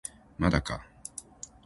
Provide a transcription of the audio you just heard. まだか